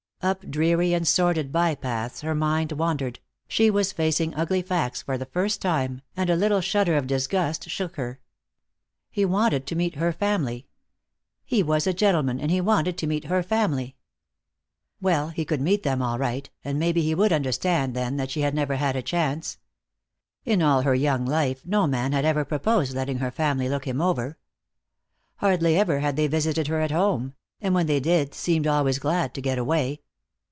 Up dreary and sordid by paths her mind wandered; she was facing ugly facts for the first time, and a little shudder of disgust shook her. He wanted to meet her family. He was a gentleman and he wanted to meet her family. Well, he could meet them all right, and maybe he would understand then that she had never had a chance. In all her young life no man had ever proposed letting her family look him over. Hardly ever had they visited her at home, and when they did they seemed always glad to get away.